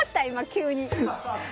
急に。